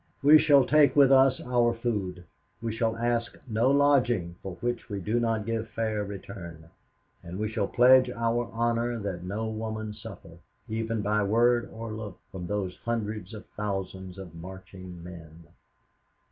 We shall take with us our food, we shall ask no lodging for which we do not give fair return, and we shall pledge our honor that no woman suffer, even by word or look, from those hundreds of thousands of marching men."